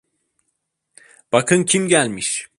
Bakın kim gelmiş.